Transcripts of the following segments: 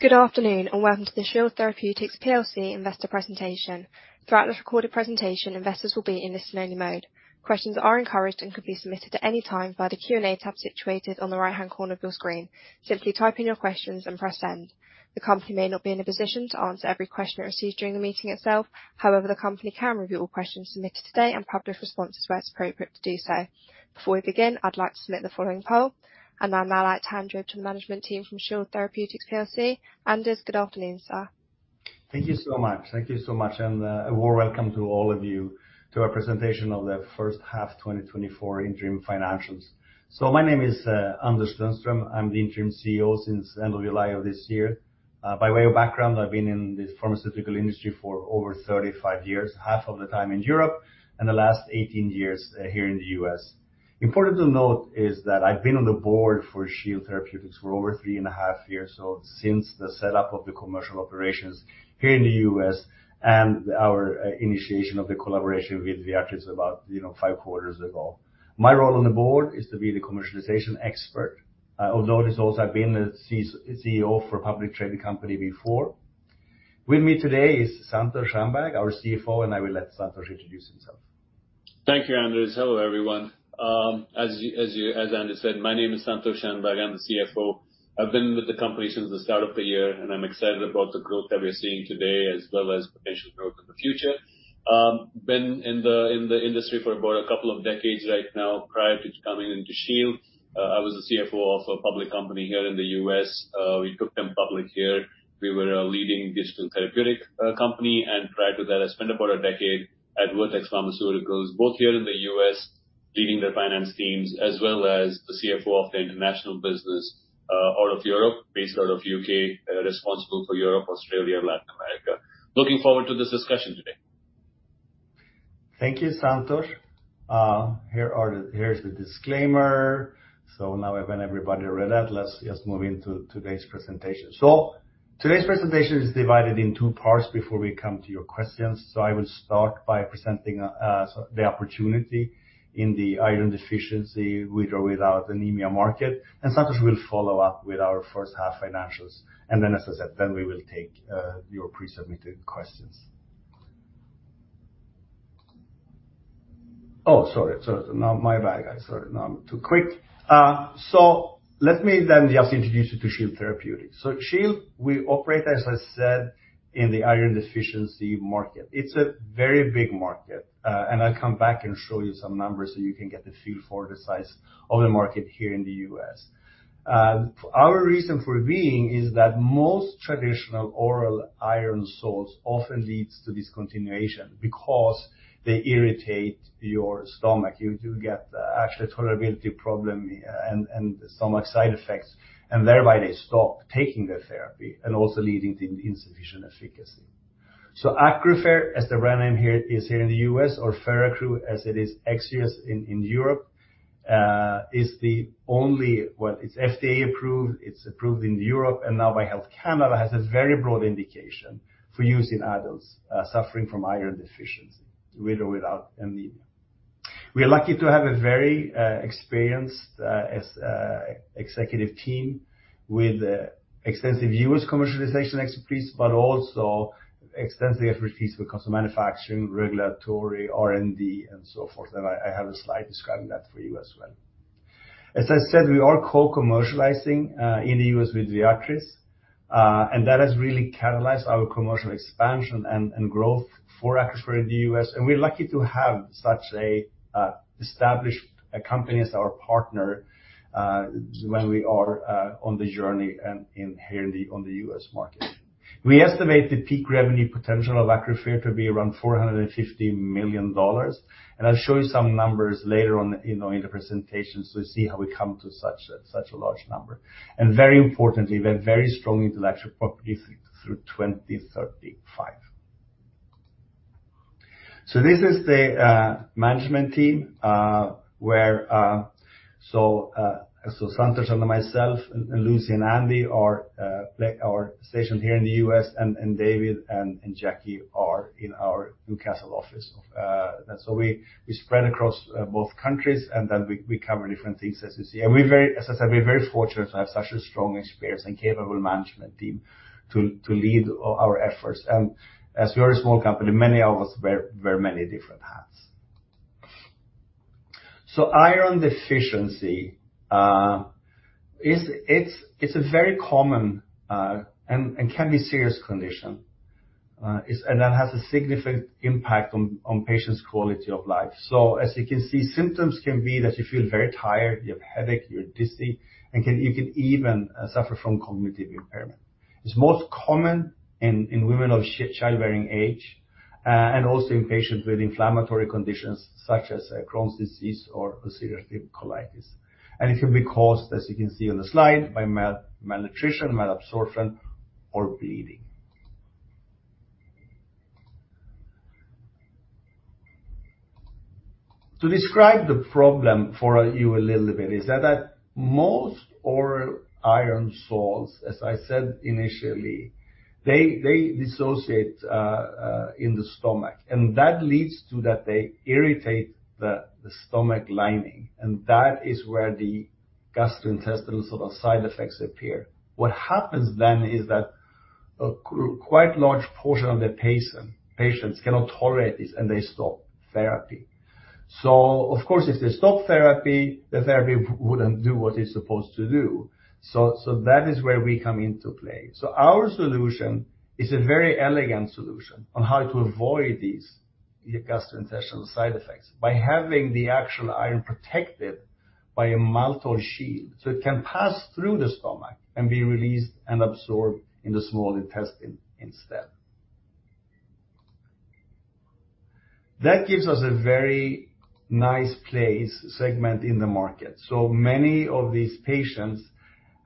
Good afternoon, and welcome to the Shield Therapeutics plc investor presentation. Throughout this recorded presentation, investors will be in listen-only mode. Questions are encouraged and can be submitted at any time via the Q&A tab situated on the right-hand corner of your screen. Simply type in your questions and press send. The company may not be in a position to answer every question it receives during the meeting itself. However, the company can review all questions submitted today and publish responses where it's appropriate to do so. Before we begin, I'd like to submit the following poll, and I'd now like to hand you over to the management team from Shield Therapeutics plc. Anders, good afternoon, sir. Thank you so much. Thank you so much, and a warm welcome to all of you to our presentation of the first half 2024 interim financials. My name is Anders Lundstrom. I'm the Interim CEO since the end of July of this year. By way of background, I've been in the pharmaceutical industry for over 35 years, half of the time in Europe, and the last 18 years here in the U.S. Important to note is that I've been on the board for Shield Therapeutics for over three and a half years, so since the setup of the commercial operations here in the U.S. and our initiation of the collaboration with Viatris about, you know, five quarters ago. My role on the board is to be the commercialization expert, although it is also, I've been a CEO for a public trading company before. With me today is Santosh Shanbhag, our CFO, and I will let Santosh introduce himself. Thank you, Anders. Hello, everyone. As Anders said, my name is Santosh Shanbhag. I'm the CFO. I've been with the company since the start of the year, and I'm excited about the growth that we're seeing today, as well as potential growth in the future. Been in the industry for about a couple of decades right now. Prior to coming into Shield, I was a CFO of a public company here in the U.S. We took them public here. We were a leading digital therapeutic company, and prior to that, I spent about a decade at Vertex Pharmaceuticals, both here in the U.S., leading their finance teams, as well as the CFO of the international business, all of Europe, based out of U.K., responsible for Europe, Australia, and Latin America. Looking forward to this discussion today. Thank you, Santosh. Here is the disclaimer. So now when everybody read that, let's just move into today's presentation. So today's presentation is divided in two parts before we come to your questions. So I will start by presenting, so the opportunity in the iron deficiency, with or without anemia market, and Santosh will follow up with our first half financials. And then, as I said, then we will take your pre-submitted questions. Oh, sorry, sorry. Now, my bad, guys. Sorry, now I'm too quick. So let me then just introduce you to Shield Therapeutics. So Shield, we operate, as I said, in the iron deficiency market. It's a very big market, and I'll come back and show you some numbers, so you can get the feel for the size of the market here in the U.S. Our reason for being is that most traditional oral iron salts often leads to discontinuation because they irritate your stomach. You do get, actually, tolerability problem, and stomach side effects, and thereby they stop taking the therapy and also leading to insufficient efficacy. ACCRUFeR, as the brand name here, is here in the U.S., or Feraccru, as it is ex-U.S. in Europe, is the only. Well, it is FDA approved, it is approved in Europe, and now by Health Canada, has a very broad indication for use in adults, suffering from iron deficiency, with or without anemia. We are lucky to have a very experienced executive team with extensive U.S. commercialization expertise, but also extensive expertise when it comes to manufacturing, regulatory, R&D, and so forth. I have a slide describing that for you as well. As I said, we are co-commercializing in the U.S. with Viatris, and that has really catalyzed our commercial expansion and growth for ACCRUFeR in the U.S. We're lucky to have such a established company as our partner when we are on the journey on the U.S. market. We estimate the peak revenue potential of ACCRUFeR to be around $450 million, and I'll show you some numbers later on, you know, in the presentation, so you see how we come to such a large number. Very importantly, we have very strong intellectual property through 2035. So this is the management team, where. So Santosh and myself and Lucy and Andy are, like, stationed here in the U.S., and David and Jackie are in our Newcastle office. So we spread across both countries, and then we cover different things, as you see. And as I said, we're very fortunate to have such a strong, experienced, and capable management team to lead our efforts. And as we are a small company, many of us wear very many different hats. So iron deficiency is a very common and can be serious condition, and that has a significant impact on patients' quality of life. So as you can see, symptoms can be that you feel very tired, you have headache, you're dizzy, and you can even suffer from cognitive impairment. It's most common in women of childbearing age, and also in patients with inflammatory conditions such as Crohn's disease or ulcerative colitis. It can be caused, as you can see on the slide, by malnutrition, malabsorption, or bleeding. To describe the problem for you a little bit is that most oral iron salts, as I said initially, they dissociate in the stomach, and that leads to that they irritate the stomach lining, and that is where the gastrointestinal sort of side effects appear. What happens then is that quite large portion of the patients cannot tolerate this, and they stop therapy. So of course, if they stop therapy, the therapy wouldn't do what it's supposed to do. So that is where we come into play. So our solution is a very elegant solution on how to avoid these gastrointestinal side effects, by having the actual iron protected by a maltose shield, so it can pass through the stomach and be released and absorbed in the small intestine instead. That gives us a very nice place, segment in the market. So many of these patients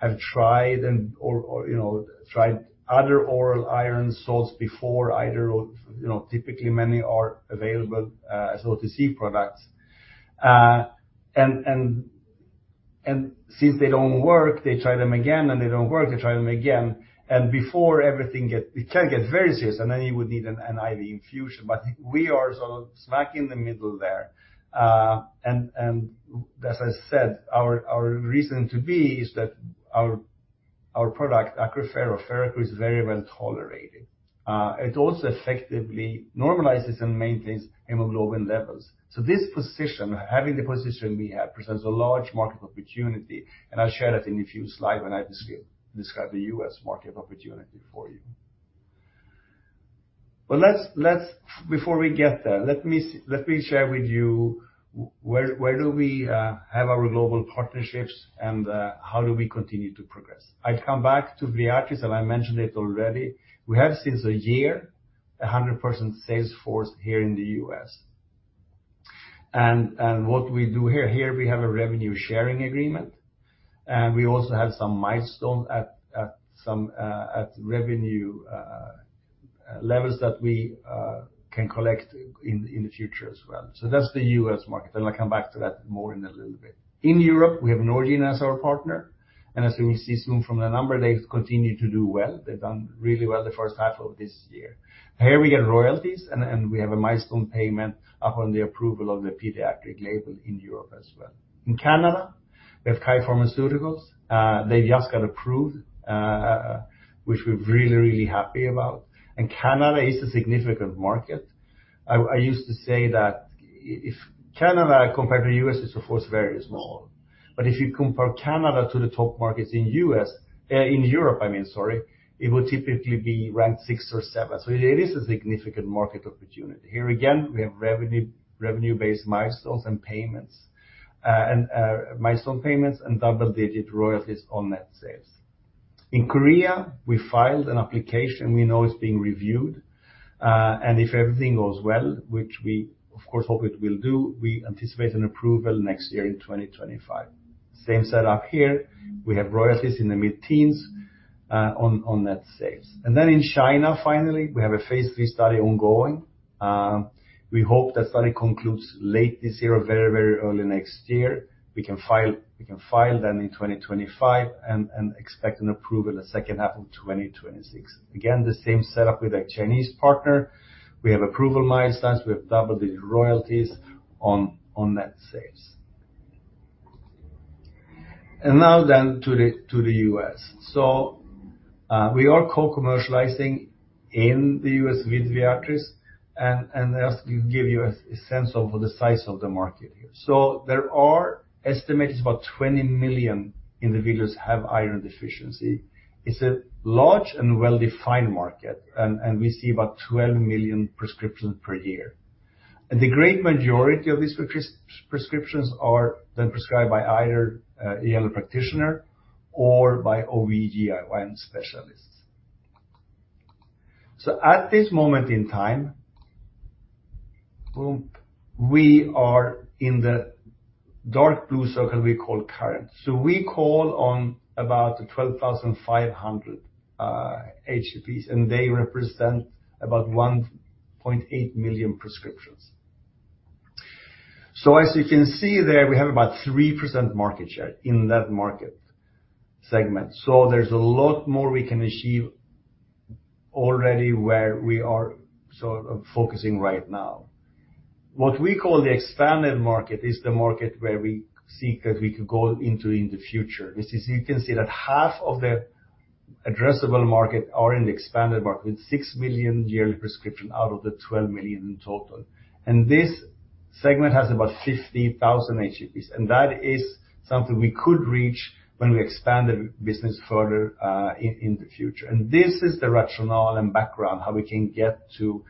have tried and, you know, tried other oral iron salts before, either, you know, typically many are available as OTC products, and since they don't work, they try them again, and they don't work, they try them again. It can get very serious, and then you would need an IV infusion. But we are sort of smack in the middle there, and as I said, our reason to be is that our product, ACCRUFeR or Feraccru, is very well-tolerated. It also effectively normalizes and maintains hemoglobin levels. So this position, having the position we have, presents a large market opportunity, and I'll share that in a few slides when I describe the U.S. market opportunity for you. But let's before we get there, let me share with you where do we have our global partnerships and how do we continue to progress? I come back to Viatris, and I mentioned it already. We have, since a year, 100% sales force here in the U.S. What we do here, we have a revenue sharing agreement, and we also have some milestones at some revenue levels that we can collect in the future as well. So that's the U.S. market, and I'll come back to that more in a little bit. In Europe, we have Norgine as our partner, and as we will see soon from the number, they've continued to do well. They've done really well the first half of this year. Here we get royalties, and we have a milestone payment upon the approval of the pediatric label in Europe as well. In Canada, we have Kye Pharmaceuticals. They just got approved, which we're really, really happy about, and Canada is a significant market. I used to say that if Canada, compared to the U.S., is of course very small, but if you compare Canada to the top markets in the U.S., in Europe, I mean, sorry, it would typically be ranked sixth or seventh. So it is a significant market opportunity. Here, again, we have revenue-based milestones and payments, and milestone payments and double-digit royalties on net sales. In Korea, we filed an application, we know it's being reviewed, and if everything goes well, which we, of course, hope it will do, we anticipate an approval next year in 2025. Same setup here. We have royalties in the mid-teens, on net sales. And then in China, finally, we have a phase III study ongoing. We hope the study concludes late this year or very, very early next year. We can file then in 2025 and expect an approval in the second half of 2026. Again, the same setup with a Chinese partner. We have approval milestones. We have double-digit royalties on net sales. Now then to the U.S. So we are co-commercializing in the U.S. with Viatris. Let me give you a sense of the size of the market here. So there are estimates about 20 million individuals have iron deficiency. It's a large and well-defined market. We see about 12 million prescriptions per year. The great majority of these prescriptions are then prescribed by either a practitioner or by OB/GYN specialists. So at this moment in time, we are in the dark blue circle we call current. We call on about 12,500 HCPs, and they represent about 1.8 million prescriptions. As you can see there, we have about 3% market share in that market segment. There's a lot more we can achieve already where we are sort of focusing right now. What we call the expanded market is the market where we see that we could go into in the future. This is, you can see that half of the addressable market are in the expanded market, with 6 million yearly prescription out of the 12 million in total. And this segment has about 50,000 HCPs, and that is something we could reach when we expand the business further in the future. This is the rationale and background, how we can get to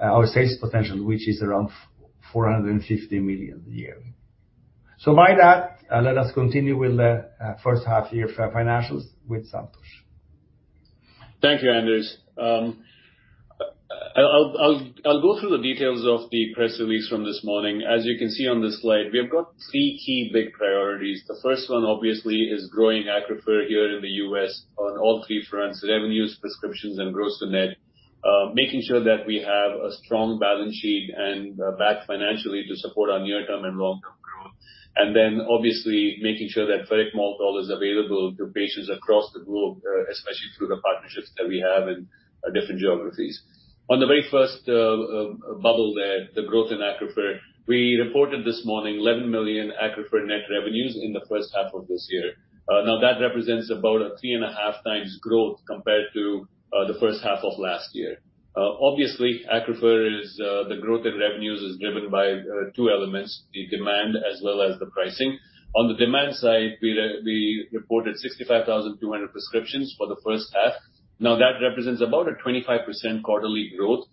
our sales potential, which is around $450 million a year. By that, let us continue with the first half-year financials with Santosh. Thank you, Anders. I'll go through the details of the press release from this morning. As you can see on this slide, we have got three key big priorities. The first one, obviously, is growing ACCRUFeR here in the U.S. on all three fronts, revenues, prescriptions, and gross to net. Making sure that we have a strong balance sheet and backed financially to support our near-term and long-term priorities, and then obviously making sure that ferric maltol is available to patients across the globe, especially through the partnerships that we have in different geographies. On the very first [bullet there], the growth in ACCRUFeR, we reported this morning $11 million ACCRUFeR net revenues in the first half of this year. Now, that represents about a 3.5x growth compared to the first half of last year. Obviously, ACCRUFeR, the growth in revenues is driven by two elements, the demand as well as the pricing. On the demand side, we reported 65,200 prescriptions for the first half. Now, that represents about a 25% quarterly growth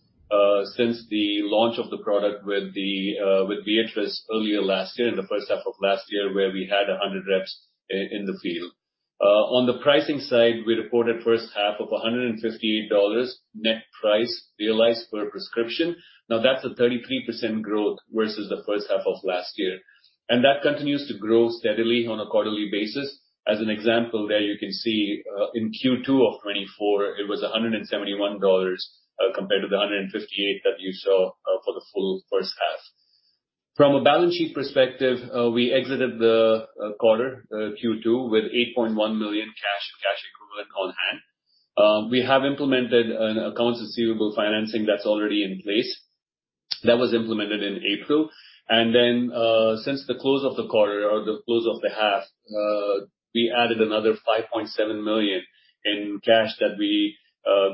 since the launch of the product with Viatris earlier last year, in the first half of last year, where we had 100 reps in the field. On the pricing side, we reported first half of $158 net price realized per prescription. Now, that's a 33% growth versus the first half of last year. That continues to grow steadily on a quarterly basis. As an example, there you can see, in Q2 of 2024, it was $171, compared to the $158 that you saw, for the full first half. From a balance sheet perspective, we exited the quarter, Q2, with $8.1 million cash and cash equivalents on hand. We have implemented an accounts receivable financing that's already in place. That was implemented in April. And then, since the close of the quarter or the close of the half, we added another $5.7 million in cash that we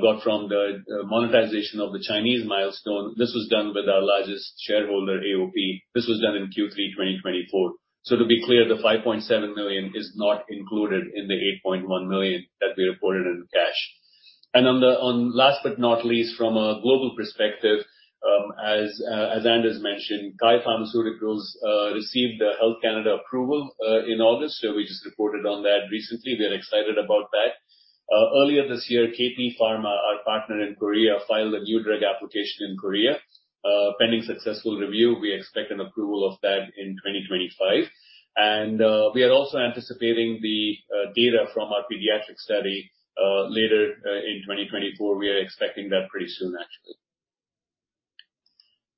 got from the monetization of the Chinese milestone. This was done with our largest shareholder, AOP. This was done in Q3 2024. So to be clear, the $5.7 million is not included in the $8.1 million that we reported in cash. On last but not least, from a global perspective, as Anders mentioned, Kye Pharmaceuticals received a Health Canada approval in August, so we just reported on that recently. We are excited about that. Earlier this year, Korea Pharma, our partner in Korea, filed a new drug application in Korea. Pending successful review, we expect an approval of that in 2025. We are also anticipating the data from our pediatric study later in 2024. We are expecting that pretty soon, actually.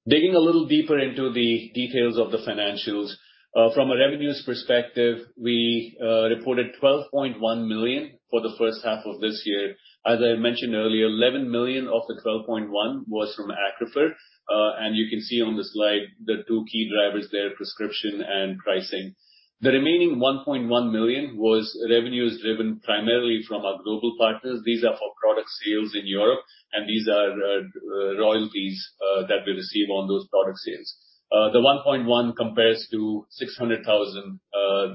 Digging a little deeper into the details of the financials. From a revenues perspective, we reported $12.1 million for the first half of this year. As I mentioned earlier, $11 million of the $12.1 million was from ACCRUFeR, and you can see on the slide the two key drivers there, prescription and pricing. The remaining $1.1 million was revenues driven primarily from our global partners. These are for product sales in Europe, and these are royalties that we receive on those product sales. The $1.1 million compares to $600,000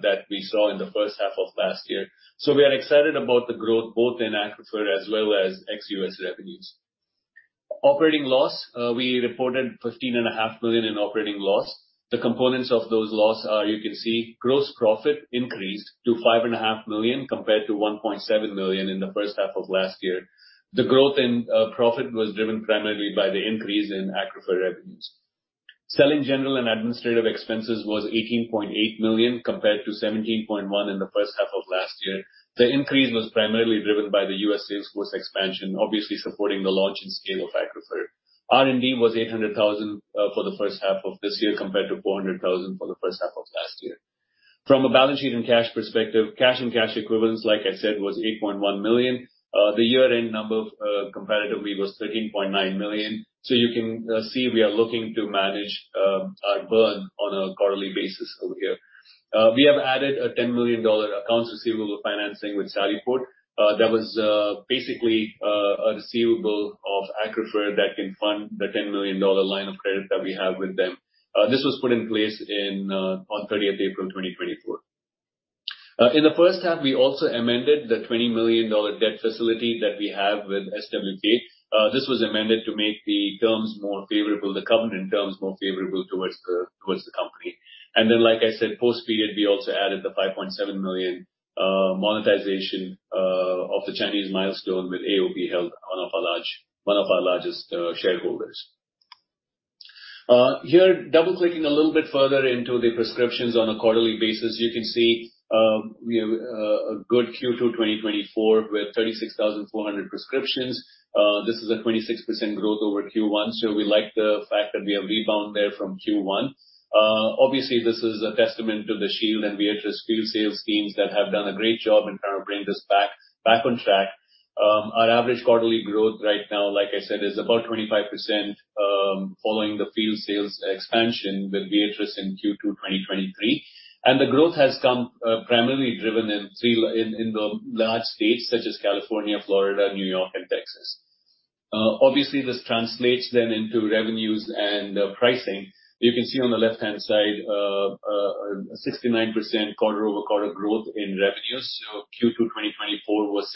that we saw in the first half of last year. So we are excited about the growth both in ACCRUFeR as well as ex-U.S. revenues. Operating loss, we reported $15.5 million in operating loss. The components of those loss are, you can see, gross profit increased to $5.5 million, compared to $1.7 million in the first half of last year. The growth in profit was driven primarily by the increase in ACCRUFeR revenues. Selling, general, and administrative expenses was $18.8 million, compared to $17.1 million in the first half of last year. The increase was primarily driven by the U.S. sales force expansion, obviously supporting the launch and scale of ACCRUFeR. R&D was $800,000 for the first half of this year, compared to $400,000 for the first half of last year. From a balance sheet and cash perspective, cash and cash equivalents, like I said, was $8.1 million. The year-end number, comparatively, was $13.9 million. So you can see we are looking to manage our burn on a quarterly basis over here. We have added a $10 million accounts receivable financing with Sallyport. That was basically a receivable of ACCRUFeR that can fund the $10 million line of credit that we have with them. This was put in place in, on 30th April 2024. In the first half, we also amended the $20 million debt facility that we have with SWK. This was amended to make the terms more favorable, the covenant terms more favorable towards the company. And then, like I said, post-period, we also added the $5.7 million monetization of the Chinese milestone with AOP Health, one of our large, one of our largest shareholders. Here, double-clicking a little bit further into the prescriptions on a quarterly basis. You can see we have a good Q2 2024, with 36,400 prescriptions. This is a 26% growth over Q1, so we like the fact that we have rebound there from Q1. Obviously, this is a testament to the Shield and Viatris field sales teams that have done a great job in kind of bringing this back on track. Our average quarterly growth right now, like I said, is about 25%, following the field sales expansion with Viatris in Q2 2023. The growth has come primarily driven in the large states such as California, Florida, New York, and Texas. Obviously, this translates then into revenues and pricing. You can see on the left-hand side a 69% quarter-over-quarter growth in revenues. So Q2 2024 was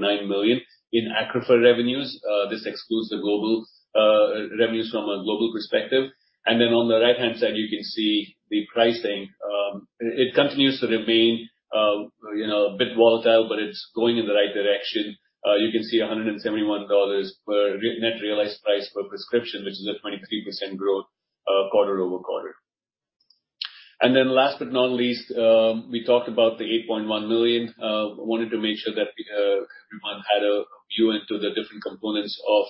$6.9 million in ACCRUFeR revenues. This excludes the global revenues from a global perspective. And then on the right-hand side, you can see the pricing. It continues to remain, you know, a bit volatile, but it's going in the right direction. You can see $171 net realized price per prescription, which is a 23% growth, quarter-over-quarter. Then last but not least, we talked about the $8.1 million. I wanted to make sure that everyone had a view into the different components of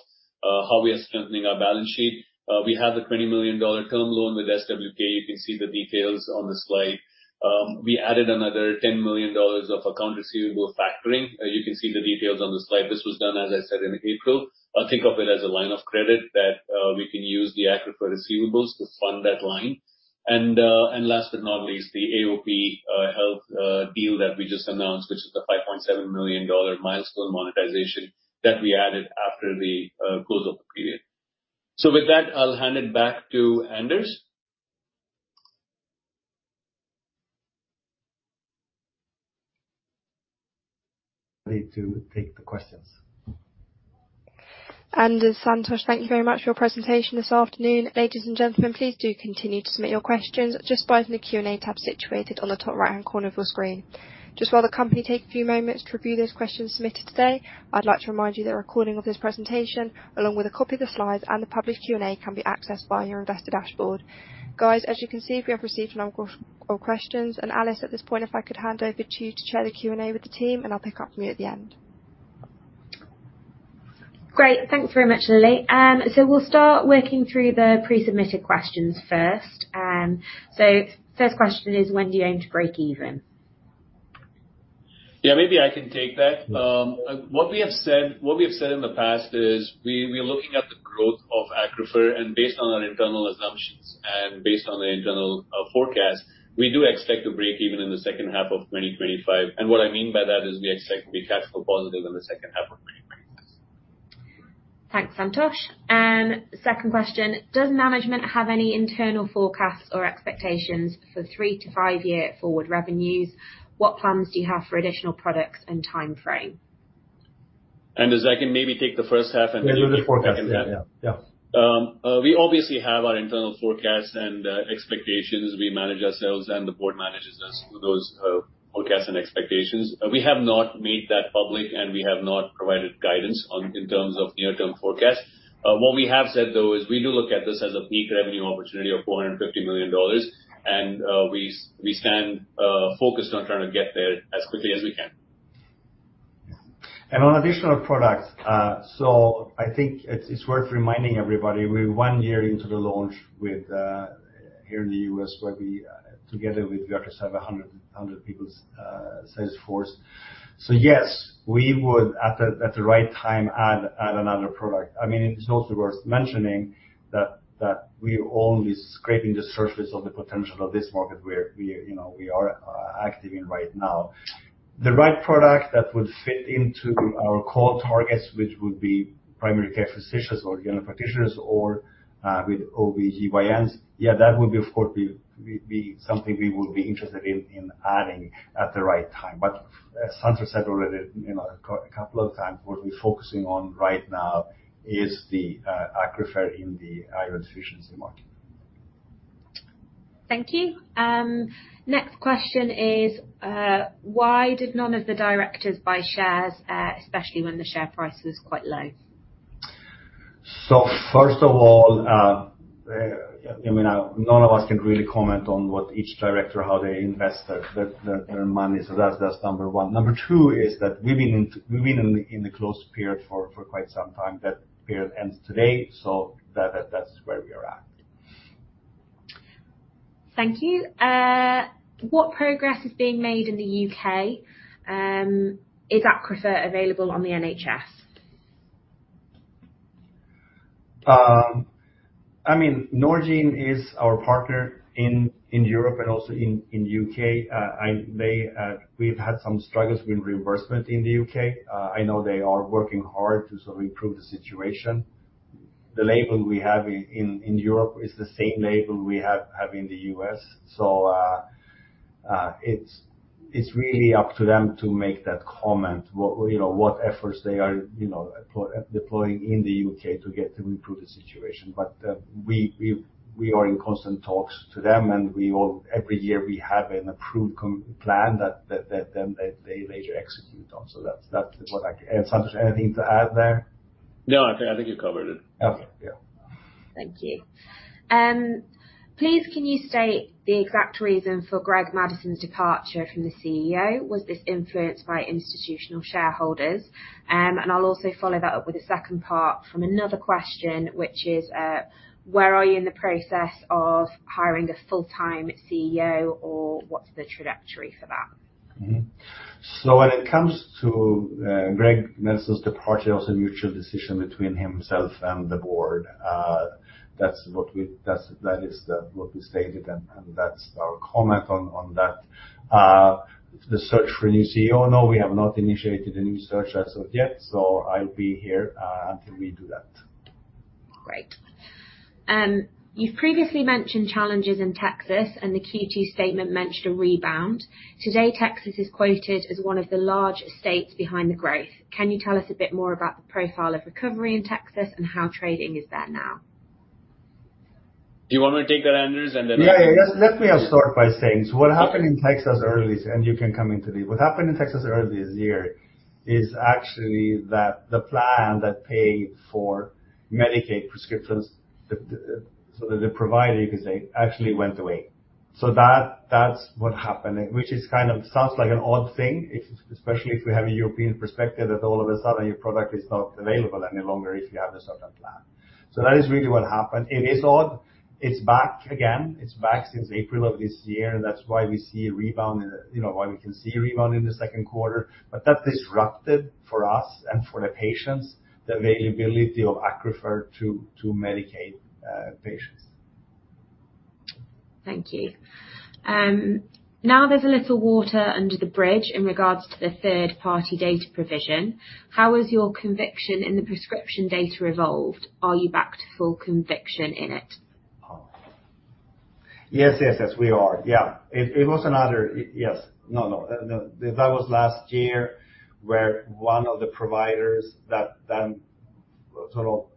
how we are strengthening our balance sheet. We have a $20 million term loan with SWK. You can see the details on the slide. We added another $10 million of accounts receivable factoring. You can see the details on the slide. This was done, as I said, in April. Think of it as a line of credit that we can use the ACCRUFeR receivables to fund that line. And last but not least, the AOP Health deal that we just announced, which is the $5.7 million milestone monetization that we added after the close of the period. So with that, I'll hand it back to Anders. Ready to take the questions. Anders, Santosh, thank you very much for your presentation this afternoon. Ladies and gentlemen, please do continue to submit your questions just by the Q&A tab situated on the top right-hand corner of your screen. Just while the company takes a few moments to review those questions submitted today, I'd like to remind you that a recording of this presentation, along with a copy of the slides and the published Q&A, can be accessed via your investor dashboard. Guys, as you can see, we have received a number of questions, and Alice, at this point, if I could hand over to you to chair the Q&A with the team, and I'll pick up from you at the end. Great. Thanks very much, Lily. So we'll start working through the pre-submitted questions first. So first question is: When do you aim to break even? Yeah, maybe I can take that. What we have said in the past is we're looking at the growth of ACCRUFeR, and based on our internal assumptions and based on our internal forecast, we do expect to break even in the second half of 2025. What I mean by that is we expect to be cash flow positive in the second half of 2025. Thanks, Santosh. Second question: does management have any internal forecasts or expectations for three to five-year forward revenues? What plans do you have for additional products and timeframe? Anders, I can maybe take the first half, and maybe- You do the forecast, yeah. Yeah. We obviously have our internal forecasts and expectations. We manage ourselves, and the board manages us through those forecasts and expectations. We have not made that public, and we have not provided guidance on, in terms of near-term forecasts. What we have said, though, is we do look at this as a peak revenue opportunity of $450 million, and we stand focused on trying to get there as quickly as we can. On additional products, I think it's worth reminding everybody. We're one year into the launch here in the U.S., where we together with Viatris have 100 people sales force. Yes, we would at the right time add another product. I mean, it's also worth mentioning that we're only scraping the surface of the potential of this market where we, you know, we are active in right now. The right product that would fit into our core targets, which would be primary care physicians or general practitioners or with OB/GYNs, yeah, that would of course be something we would be interested in adding at the right time. But as Santosh said already, you know, a couple of times, what we're focusing on right now is the ACCRUFeR in the iron deficiency market. Thank you. Next question is: why did none of the Directors buy shares, especially when the share price was quite low? So first of all, I mean, none of us can really comment on what each Director, how they invest their money. So that's number one. Number two is that we've been in a close period for quite some time. That period ends today, so that's where we are at. Thank you. What progress is being made in the U.K.? Is ACCRUFeR available on the NHS? I mean, Norgine is our partner in Europe and also in the U.K. They, we've had some struggles with reimbursement in the U.K. I know they are working hard to sort of improve the situation. The label we have in Europe is the same label we have in the U.S., so it's really up to them to make that comment, what you know what efforts they are you know deploying in the U.K. to get to improve the situation. But we are in constant talks to them, and every year we have an approved commercial plan that then they execute on. So that's what I... Santosh, anything to add there? No, I think, I think you covered it. Okay. Yeah. Thank you. Please, can you state the exact reason for Greg Madison's departure from the CEO? Was this influenced by institutional shareholders? And I'll also follow that up with a second part from another question, which is: where are you in the process of hiring a full-time CEO, or what's the trajectory for that? When it comes to Greg Madison's departure, it was a mutual decision between himself and the board. That's what we stated, and that's our comment on that. The search for a new CEO, no, we have not initiated a new search as of yet, so I'll be here until we do that. Great. You've previously mentioned challenges in Texas, and the Q2 statement mentioned a rebound. Today, Texas is quoted as one of the large states behind the growth. Can you tell us a bit more about the profile of recovery in Texas and how trading is there now? Do you want me to take that, Anders, and then- Yeah, yeah. Let me start by saying what happened in Texas earlier this year is actually that the plan that paid for Medicaid prescriptions, so the provider, you can say, actually went away. That's what happened, which kind of sounds like an odd thing, especially if you have a European perspective, that all of a sudden your product is not available any longer if you have a certain plan. That is really what happened. It is odd. It's back again. It's back since April of this year, and that's why we see a rebound in the second quarter, you know. But that disrupted, for us and for the patients, the availability of ACCRUFeR to Medicaid patients. Thank you. Now there's a little water under the bridge in regards to the third-party data provision, how has your conviction in the prescription data evolved? Are you back to full conviction in it? Yes, yes, yes, we are. Yeah. It was another... Yes. No, that was last year, where one of the providers that then sort of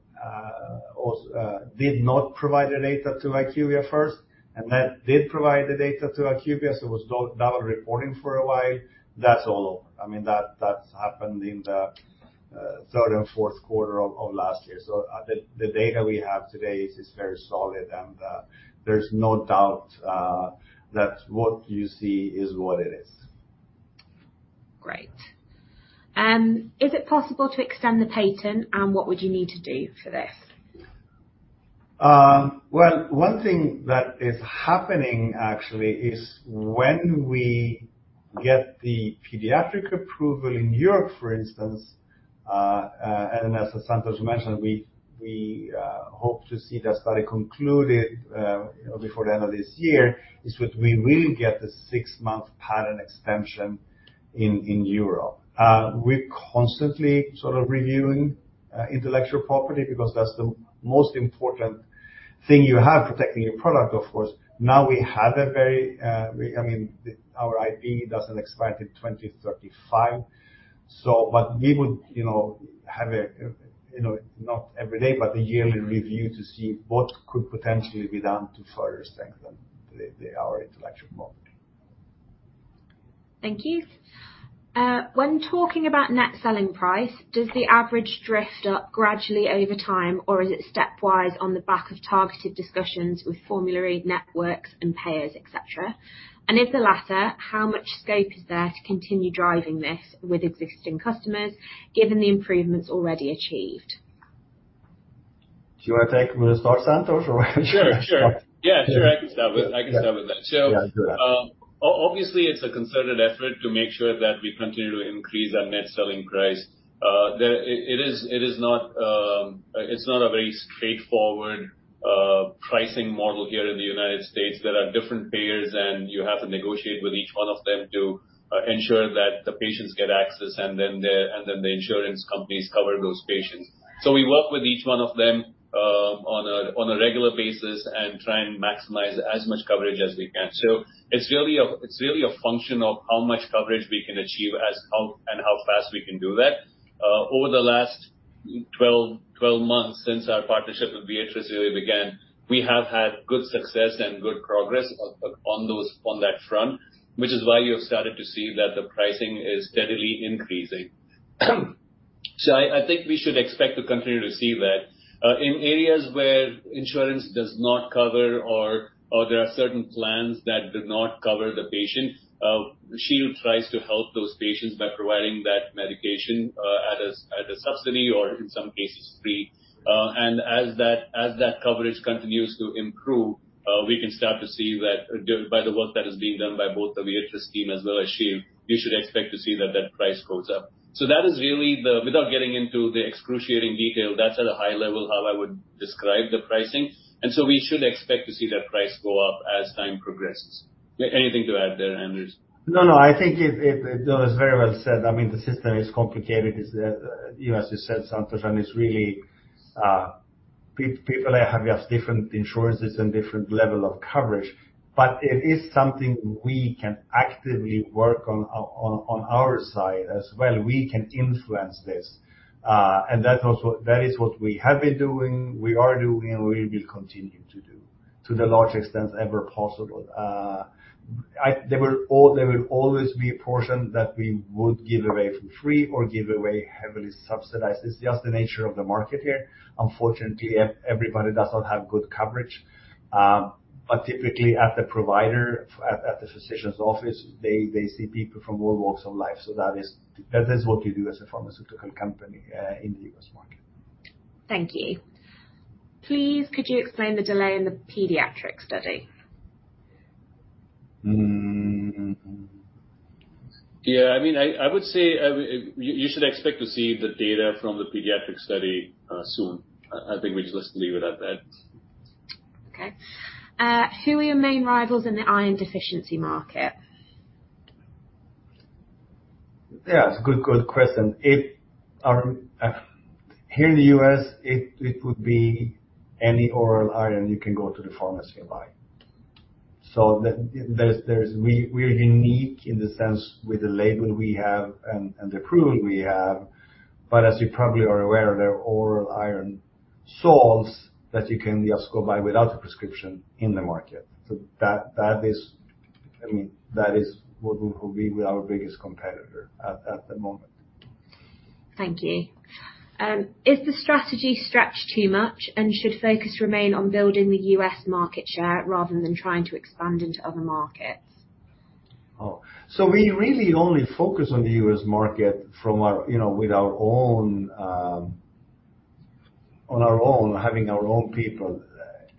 did not provide the data to IQVIA first, and then did provide the data to IQVIA, so it was double reporting for a while. That's all over. I mean, that happened in the third and fourth quarter of last year. So, the data we have today is very solid and there's no doubt that what you see is what it is. Great. Is it possible to extend the patent, and what would you need to do for this? Well, one thing that is happening, actually, is when we get the pediatric approval in Europe, for instance, and as Santosh mentioned, we hope to see the study concluded before the end of this year, is that we will get the six-month patent extension in Europe. We're constantly sort of reviewing intellectual property, because that's the most important thing you have, protecting your product, of course. Now we have a very, we - I mean our IP doesn't expire till 2035, so. But we would, you know, have a, you know, not every day, but a yearly review to see what could potentially be done to further strengthen our intellectual property. Thank you. When talking about net selling price, does the average drift up gradually over time, or is it stepwise on the back of targeted discussions with formulary networks and payers, et cetera? And if the latter, how much scope is there to continue driving this with existing customers, given the improvements already achieved? Do you want to start, Santosh, or? Sure. Yeah, sure. I can start with that. Yeah, sure. Obviously, it's a concerted effort to make sure that we continue to increase our net selling price. It is not a very straightforward pricing model here in the United States. There are different payers, and you have to negotiate with each one of them to ensure that the patients get access, and then the insurance companies cover those patients. So we work with each one of them on a regular basis and try and maximize as much coverage as we can. So it's really a function of how much coverage we can achieve and how fast we can do that. Over the last 12 months since our partnership with Viatris really began, we have had good success and good progress on that front, which is why you have started to see that the pricing is steadily increasing, so I think we should expect to continue to see that. In areas where insurance does not cover or there are certain plans that do not cover the patient, Shield tries to help those patients by providing that medication at a subsidy or in some cases free, and as that coverage continues to improve, we can start to see that by the work that is being done by both the Viatris team as well as Shield, you should expect to see that price goes up. So that is really without getting into the excruciating detail, that's at a high level, how I would describe the pricing, and so we should expect to see that price go up as time progresses. Anything to add there, Anders? No, I think it was very well said. I mean, the system is complicated, as you said, Santosh, and it's really people have just different insurances and different level of coverage. But it is something we can actively work on on our side as well. We can influence this, and that's also, that is what we have been doing, we are doing, and we will continue to do, to the large extent ever possible. There will always be a portion that we would give away for free or give away heavily subsidized. It's just the nature of the market here. Unfortunately, everybody doesn't have good coverage. But typically at the provider, at the physician's office, they see people from all walks of life. So that is what you do as a pharmaceutical company in the U.S. market. Thank you. Please, could you explain the delay in the pediatric study? Hmm. Yeah, I mean, I would say, you should expect to see the data from the pediatric study, soon. I think we just leave it at that. Okay. Who are your main rivals in the iron deficiency market? Yeah, it's a good question. Here in the U.S., it would be any oral iron you can go to the pharmacy and buy. So there's, we are unique in the sense with the label we have and the approval we have, but as you probably are aware, there are oral iron salts that you can just go buy without a prescription in the market. So that is, I mean, what would be our biggest competitor at the moment. Thank you. Is the strategy stretched too much, and should focus remain on building the U.S. market share rather than trying to expand into other markets? Oh, so we really only focus on the U.S. market from our, you know, with our own, on our own, having our own people.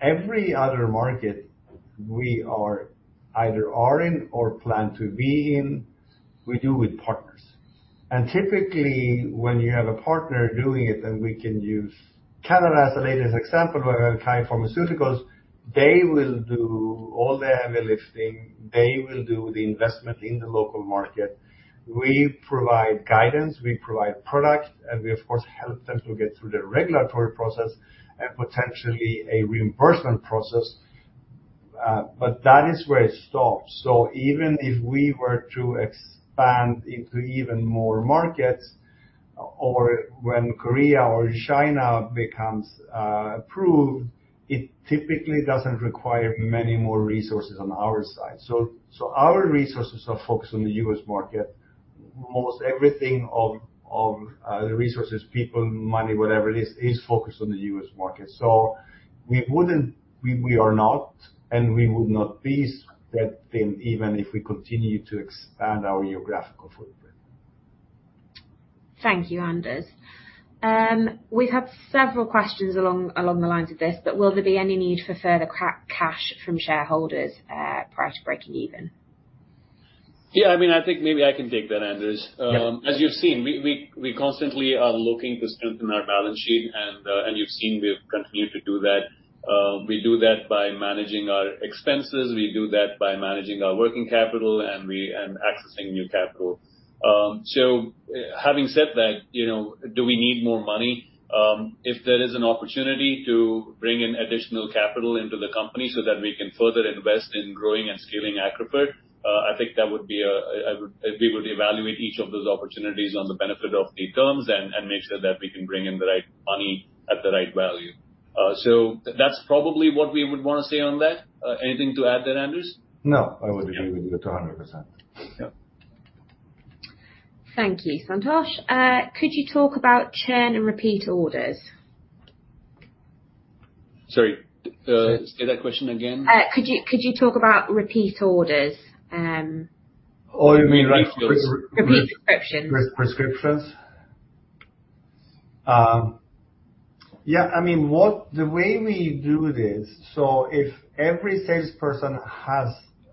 Every other market we are either in or plan to be in, we do with partners. And typically, when you have a partner doing it, then we can use Canada as the latest example, with Kye Pharmaceuticals, they will do all the heavy lifting, they will do the investment in the local market. We provide guidance, we provide product, and we, of course, help them to get through the regulatory process and potentially a reimbursement process. But that is where it stops. So even if we were to expand into even more markets or when Korea or China becomes approved, it typically doesn't require many more resources on our side. So our resources are focused on the U.S. market. Almost everything of the resources, people, money, whatever it is, is focused on the U.S. market. So we wouldn't. We are not, and would not be that thin, even if we continue to expand our geographical footprint. Thank you, Anders. We've had several questions along the lines of this, but will there be any need for further cash from shareholders prior to breaking even? Yeah, I mean, I think maybe I can take that, Anders. Yeah. As you've seen, we constantly are looking to strengthen our balance sheet, and you've seen we've continued to do that. We do that by managing our expenses, we do that by managing our working capital, and accessing new capital. So having said that, you know, do we need more money? If there is an opportunity to bring in additional capital into the company so that we can further invest in growing and scaling ACCRUFeR, I think that would be. We would evaluate each of those opportunities on the benefit of the terms and make sure that we can bring in the right money at the right value. So that's probably what we would want to say on that. Anything to add there, Anders? No, I would agree with you 100%. Yeah. Thank you. Santosh, could you talk about churn and repeat orders? Sorry, say that question again? Could you talk about repeat orders? Oh, you mean like- Repeat prescriptions. Prescriptions? Yeah, I mean, what? The way we do this, so if every salesperson has,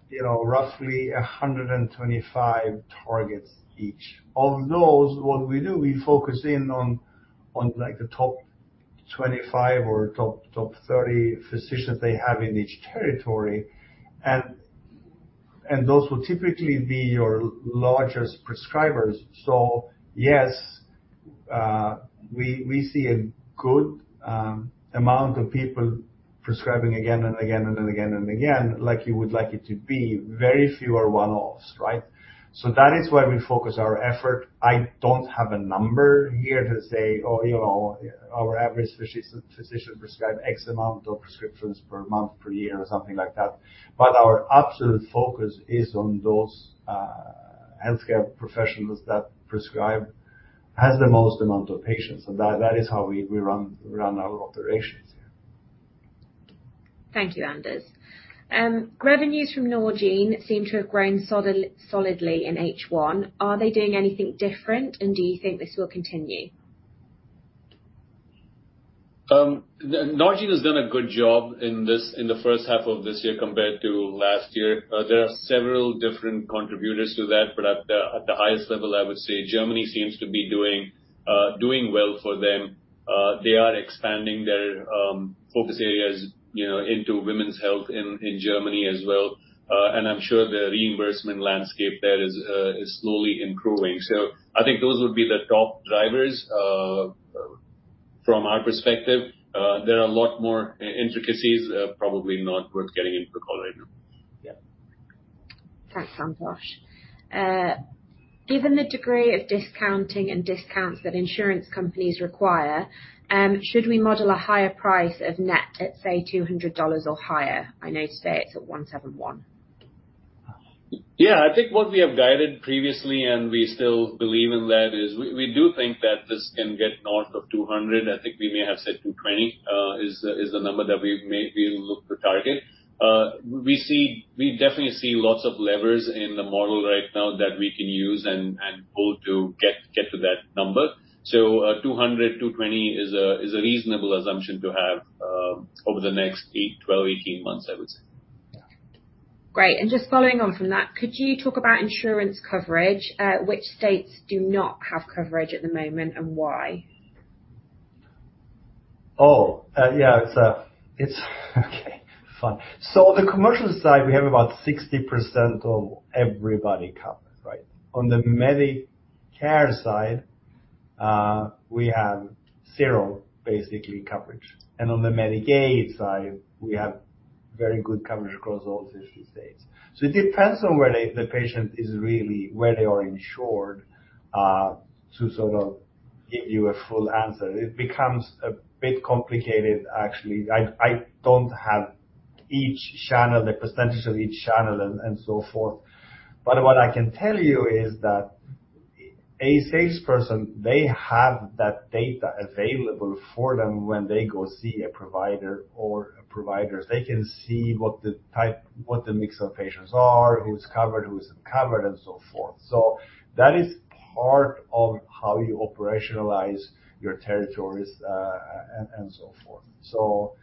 you know, roughly 125 targets each, of those, what we do, we focus in on, like, the top 25 or top 30 physicians they have in each territory, and those will typically be your largest prescribers, so yes, we see a good amount of people prescribing again and again, and then again, and again, like you would like it to be. Very few are one-offs, right, so that is why we focus our effort. I don't have a number here to say, oh, you know, our average physician prescribe X amount of prescriptions per month, per year, or something like that. But our absolute focus is on those healthcare professionals that prescribe as the most amount of patients, and that is how we run our operations. Thank you, Anders. Revenues from Norgine seem to have grown solidly in H1. Are they doing anything different, and do you think this will continue? Norgine has done a good job in this, in the first half of this year compared to last year. There are several different contributors to that, but at the highest level, I would say Germany seems to be doing well for them. They are expanding their focus areas, you know, into women's health in Germany as well. And I'm sure the reimbursement landscape there is slowly improving. So I think those would be the top drivers from our perspective. There are a lot more intricacies, probably not worth getting into the call right now. Yeah. Thanks, Santosh. Given the degree of discounting and discounts that insurance companies require, should we model a higher gross to net at, say, $200 or higher? I know today it's at $171. Yeah, I think what we have guided previously, and we still believe in that, is we do think that this can get north of $200. I think we may have said $220 is the number that we may look to target. We definitely see lots of levers in the model right now that we can use and pull to get to that number. So, $200, $220 is a reasonable assumption to have over the next eight, 12, 18 months, I would say. Yeah. Great. And just following on from that, could you talk about insurance coverage? Which states do not have coverage at the moment, and why? Okay, fine. So on the commercial side, we have about 60% of everybody covered, right? On the Medicare side, we have zero, basically, coverage. And on the Medicaid side, we have very good coverage across all 50 states. So it depends on where the patient is really, where they are insured to sort of give you a full answer. It becomes a bit complicated, actually. I don't have each channel, the percentage of each channel and so forth. But what I can tell you is that a salesperson, they have that data available for them when they go see a provider or providers. They can see what the mix of patients are, who's covered, who's uncovered, and so forth. So that is part of how you operationalize your territories, and so forth. So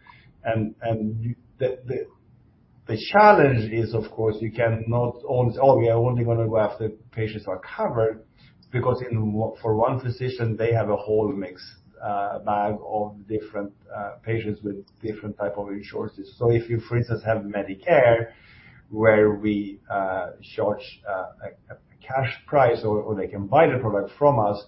the challenge is, of course, you cannot always, "Oh, we are only gonna go after patients who are covered," because for one physician, they have a whole mixed bag of different patients with different type of insurances. So if you, for instance, have Medicare, where we charge a cash price or they can buy the product from us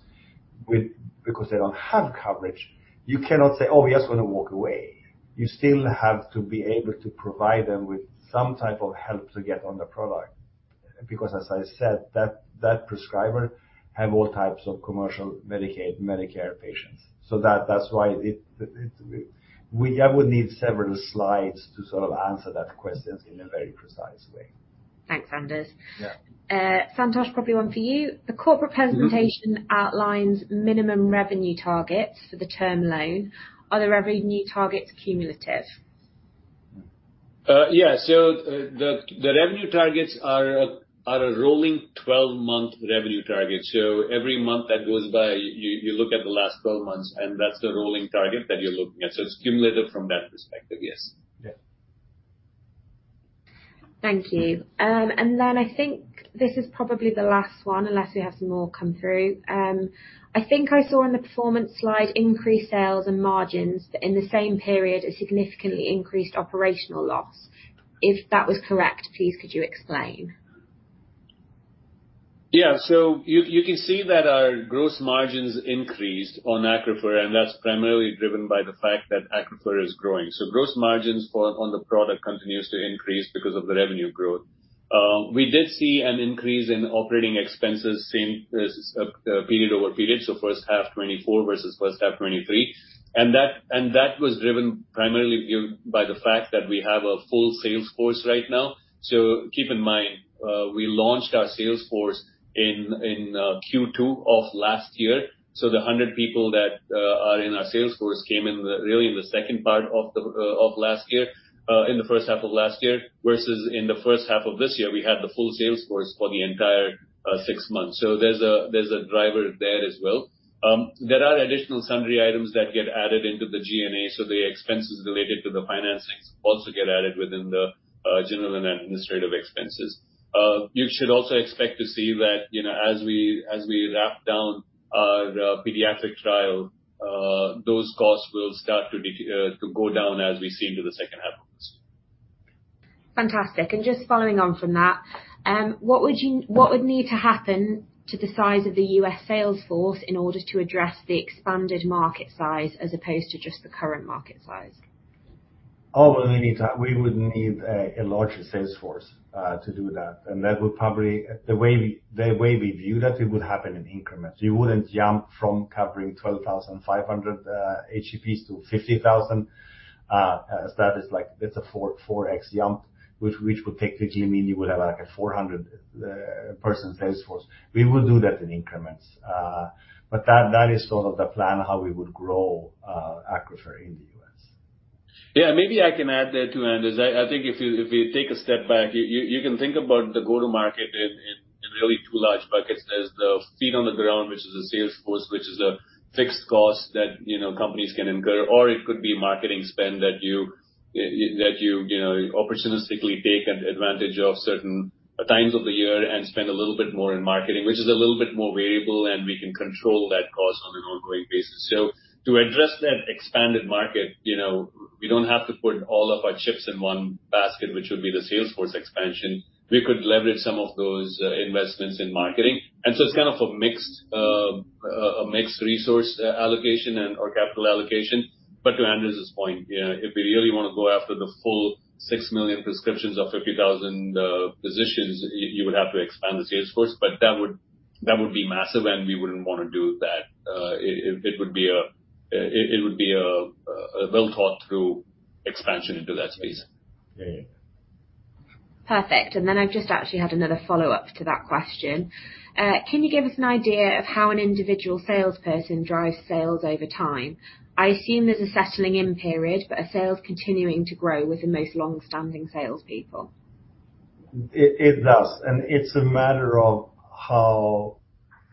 because they don't have coverage, you cannot say: Oh, we're just gonna walk away. You still have to be able to provide them with some type of help to get on the product, because as I said, that prescriber have all types of commercial Medicaid, Medicare patients. So that's why it... I would need several slides to sort of answer that question in a very precise way. Thanks, Anders. Yeah. Santosh, probably one for you. Mm-hmm. The corporate presentation outlines minimum revenue targets for the term loan. Are the revenue targets cumulative? Yeah. So, the revenue targets are a rolling 12-month revenue target. So every month that goes by, you look at the last 12 months, and that's the rolling target that you're looking at. So it's cumulative from that perspective, yes. Yeah. Thank you. And then I think this is probably the last one, unless we have some more come through. I think I saw in the performance slide, increased sales and margins, but in the same period, a significantly increased operational loss. If that was correct, please could you explain? Yeah, so you can see that our gross margins increased on ACCRUFeR, and that's primarily driven by the fact that ACCRUFeR is growing. So gross margins on the product continues to increase because of the revenue growth. We did see an increase in operating expenses, same period over period, so first half 2024 versus first half 2023. And that was driven primarily by the fact that we have a full sales force right now. So keep in mind, we launched our sales force in Q2 of last year, so the 100 people that are in our sales force came in really in the second part of last year, in the first half of last year, versus in the first half of this year, we had the full sales force for the entire six months. So there's a driver there as well. There are additional sundry items that get added into the G&A, so the expenses related to the financings also get added within the general and administrative expenses. You should also expect to see that, you know, as we wrap down the pediatric trial, those costs will start to go down as we see into the second half of this. Fantastic. And just following on from that, what would need to happen to the size of the U.S. sales force in order to address the expanded market size as opposed to just the current market size? Oh, well, we would need a larger sales force to do that. And that would probably. The way we view that, it would happen in increments. You wouldn't jump from covering 12,500 HCPs to 50,000. That is like, that's a 4x jump, which would technically mean you would have, like, a 400-person sales force. We will do that in increments. But that is sort of the plan, how we would grow ACCRUFeR in the U.S. Yeah, maybe I can add there, too, Anders. I think if you take a step back, you can think about the go-to-market in really two large buckets. There's the feet on the ground, which is a sales force, which is a fixed cost that, you know, companies can incur, or it could be marketing spend that you know, opportunistically take an advantage of certain times of the year and spend a little bit more in marketing, which is a little bit more variable, and we can control that cost on an ongoing basis. So to address that expanded market, you know, we don't have to put all of our chips in one basket, which would be the sales force expansion. We could leverage some of those investments in marketing. Yeah. And so it's kind of a mixed resource allocation or capital allocation. But to Anders's point, yeah, if we really want to go after the full 6 million prescriptions of 50,000 physicians, you would have to expand the sales force, but that would be massive, and we wouldn't want to do that. It would be a well-thought-through expansion into that space. Yeah. Perfect. And then I've just actually had another follow-up to that question. Can you give us an idea of how an individual salesperson drives sales over time? I assume there's a settling-in period, but are sales continuing to grow with the most long-standing salespeople? It does. And it's a matter of how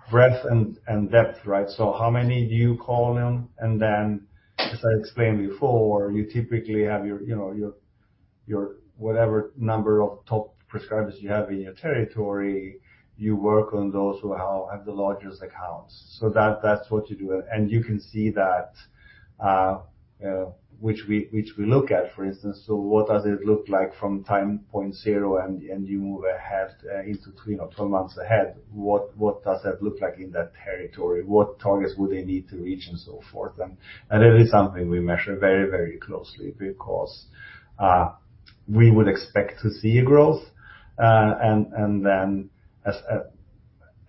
breadth and depth, right? So how many do you call them? And then, as I explained before, you typically have your, you know, your whatever number of top prescribers you have in your territory. You work on those who have the largest accounts. So that's what you do. And you can see that, which we look at, for instance. So what does it look like from time point zero and you move ahead into two months ahead? What does that look like in that territory? What targets would they need to reach and so forth? And it is something we measure very closely, because we would expect to see a growth, and then as...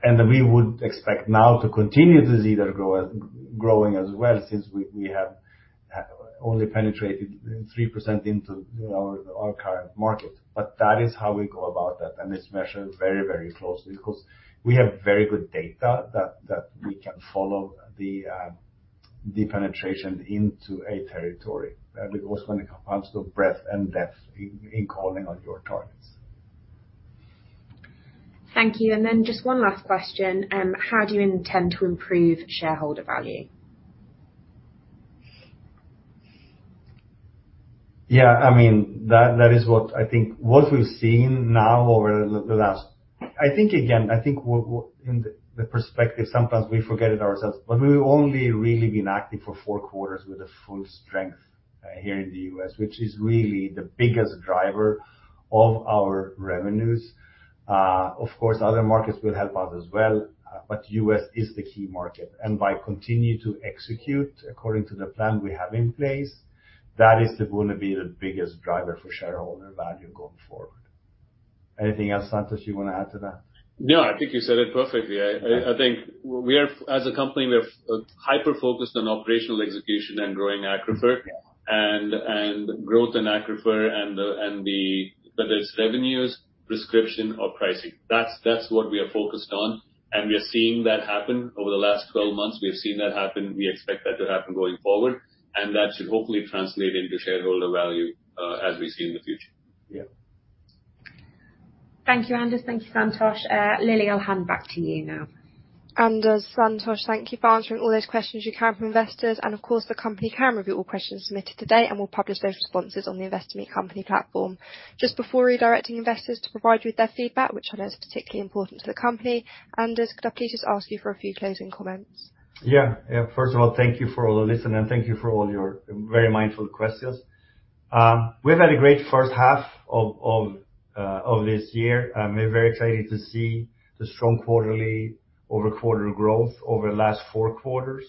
We would expect now to continue to see that grow, growing as well, since we have only penetrated 3% into our current market. But that is how we go about that, and it's measured very, very closely, because we have very good data that we can follow the penetration into a territory, but also when it comes to breadth and depth in calling on your targets. Thank you. And then just one last question: how do you intend to improve shareholder value? Yeah, I mean, that is what I think. What we've seen now over the last, I think, again, in the perspective, sometimes we forget it ourselves, but we've only really been active for four quarters with the full strength here in the U.S., which is really the biggest driver of our revenues. Of course, other markets will help us as well, but U.S. is the key market. And by continue to execute according to the plan we have in place, that is going to be the biggest driver for shareholder value going forward. Anything else, Santosh, you want to add to that? No, I think you said it perfectly. I think we are, as a company, we're hyper-focused on operational execution and growing ACCRUFeR- Yeah. growth in ACCRUFeR. Whether it's revenues, prescription or pricing, that's what we are focused on, and we are seeing that happen. Over the last 12 months, we have seen that happen. We expect that to happen going forward, and that should hopefully translate into shareholder value, as we see in the future. Yeah. Thank you, Anders. Thank you, Santosh. Lily, I'll hand back to you now. Anders, Santosh, thank you for answering all those questions you can from investors, and of course, the company can review all questions submitted today, and we'll publish those responses on the Investor Meet Company platform. Just before redirecting investors to provide you with their feedback, which I know is particularly important to the company, Anders, could I please just ask you for a few closing comments? Yeah. First of all, thank you for all the listening, and thank you for all your very mindful questions. We've had a great first half of this year, and we're very excited to see the strong quarterly over quarter growth over the last four quarters.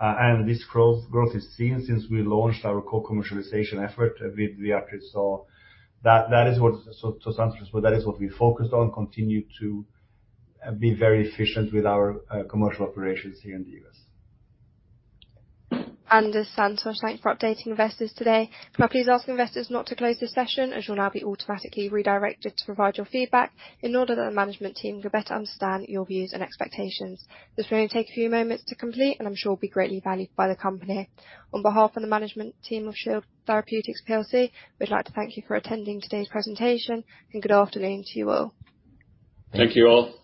And this growth is seen since we launched our co-commercialization effort with Viatris, so that is what... So, Santosh, that is what we focused on, continue to be very efficient with our commercial operations here in the U.S. Anders, Santosh, thank you for updating investors today. Can I please ask investors not to close this session, as you'll now be automatically redirected to provide your feedback in order that the management team can better understand your views and expectations? This will only take a few moments to complete, and I'm sure will be greatly valued by the company. On behalf of the management team of Shield Therapeutics plc, we'd like to thank you for attending today's presentation, and good afternoon to you all. Thank you all.